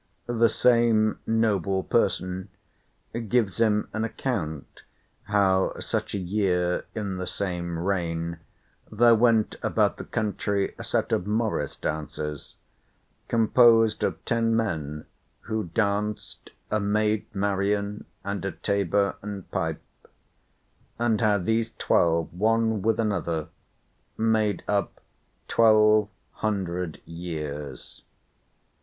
The "same noble person" gives him an account, how such a year, in the same reign, there went about the country a set of morrice dancers, composed of ten men who danced, a Maid Marian, and a tabor and pipe; and how these twelve, one with another, made up twelve hundred years.